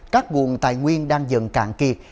các vùng tài nguyên đang dần cạn kiệt